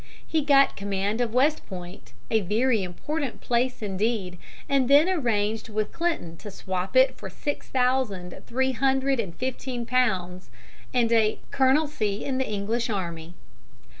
He got command of West Point, a very important place indeed, and then arranged with Clinton to swap it for six thousand three hundred and fifteen pounds and a colonelcy in the English army.